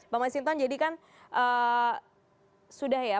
pak mas hinton jadi kan sudah ya